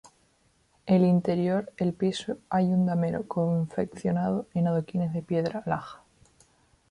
El interior el piso hay un damero confeccionado en adoquines de piedra laja.